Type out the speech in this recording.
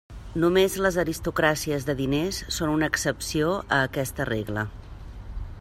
Només les aristocràcies de diners són una excepció a aquesta regla.